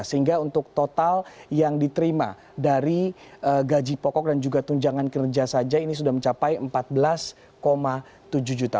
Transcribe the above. sehingga untuk total yang diterima dari gaji pokok dan juga tunjangan kerja saja ini sudah mencapai empat belas tujuh juta